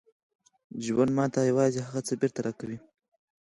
ژوند ماته یوازې هغه څه بېرته راکوي